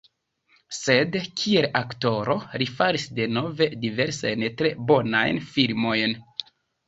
Sed kiel aktoro li faris denove diversajn tre bonajn filmojn.